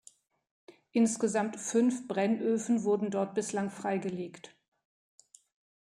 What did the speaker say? Insgesamt fünf Brennöfen wurden dort bislang freigelegt.